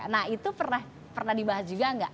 nah itu pernah dibahas juga nggak